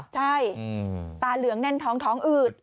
ใช่ตาเหลืองแน่นท้องท้องอืด